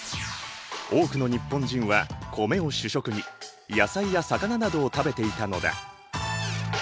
多くの日本人は米を主食に野菜や魚などを食べていたのだ。